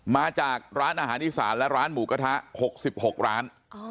มาจากร้านอาหารอีสานและร้านหมูกระทะ๖๖ร้าน